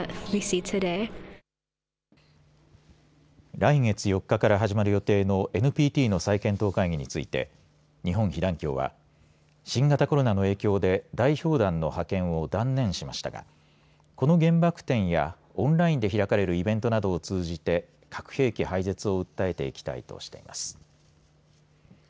来月４日から始まる予定のＮＰＴの再検討会議について日本被団協は新型コロナの影響で代表団の派遣を断念しましたがこの原爆展やオンラインで開かれるイベントなどを通じて核兵器廃絶を訴えていきたいとしています。